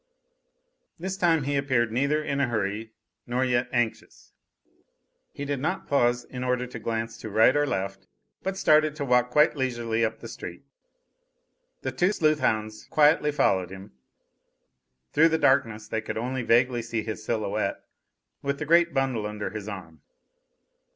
This time he appeared neither in a hurry nor yet anxious. He did not pause in order to glance to right or left, but started to walk quite leisurely up the street. The two sleuth hounds quietly followed him. Through the darkness they could only vaguely see his silhouette, with the great bundle under his arm.